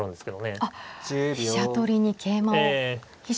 あっ飛車取りに桂馬を。